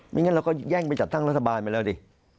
งั้นเราก็แย่งไปจัดตั้งรัฐบาลไปแล้วดิ